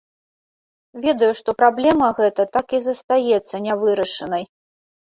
Ведаю, што праблема гэта так і застаецца не вырашанай.